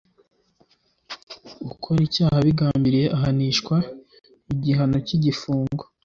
ukora icyaha abigambiriye ahanishwa igihano cy’igifungo